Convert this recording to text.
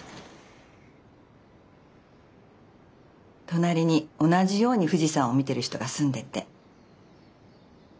隣に同じように富士山を見てる人が住んでて。